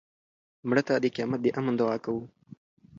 مړه ته د قیامت د امن دعا کوو